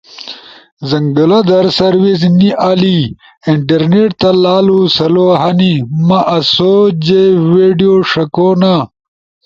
زنگلا در سروس نی آلی۔ انٹرنیٹ تا لالو سلو ہنی۔ مآسو جے ویڈیو ݜکونا،